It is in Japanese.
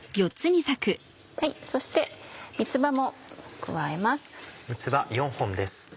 そして三つ葉も加えます。